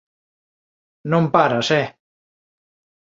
Non paras, eh!